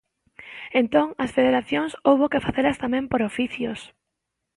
Entón as federacións houbo que facelas tamén por oficios.